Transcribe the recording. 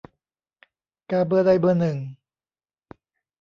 กาเบอร์ใด "เบอร์หนึ่ง"